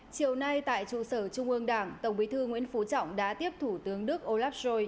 chiều nay tại trụ sở trung ương đảng tổng bí thư nguyễn phú trọng đã tiếp thủ tướng đức olaf schol